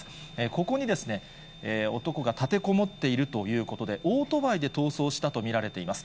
ここにですね、男が立てこもっているということで、オートバイで逃走したと見られています。